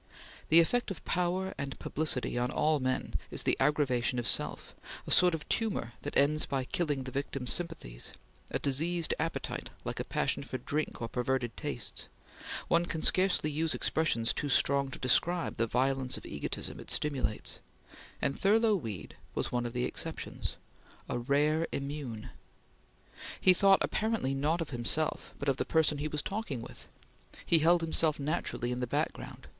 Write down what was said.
The effect of power and publicity on all men is the aggravation of self, a sort of tumor that ends by killing the victim's sympathies; a diseased appetite, like a passion for drink or perverted tastes; one can scarcely use expressions too strong to describe the violence of egotism it stimulates; and Thurlow Weed was one of the exceptions; a rare immune. He thought apparently not of himself, but of the person he was talking with. He held himself naturally in the background.